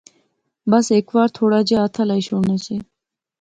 بس ہیک وار تھوڑا جیا ہتھ ہلائی شوڑنے سے